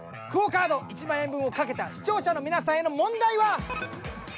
ＱＵＯカード１万円分を懸けた視聴者の皆さんへの問題は！